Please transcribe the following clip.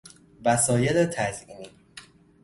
وسایل تزئینی